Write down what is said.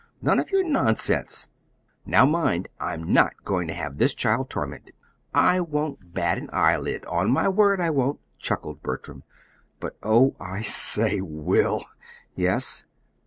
None of your nonsense! Now mind. I'm not going to have this child tormented." "I won't bat an eyelid on my word, I won't," chuckled Bertram. "But, oh, I say, Will!" "Yes."